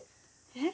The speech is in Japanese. え？